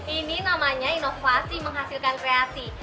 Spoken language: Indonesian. ini namanya inovasi menghasilkan kreasi